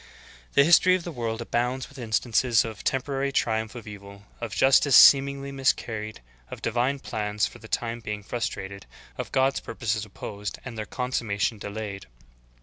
12. The history of the world abounds with instances of the temporary triumph of evil, of justice seemingly mis carried, of divine plans for the time being frustrated, of God's purposes opposed and their consummation delayed.